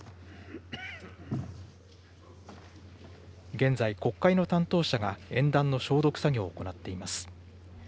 現在、国会の担当者が演壇の消毒作業を行っています。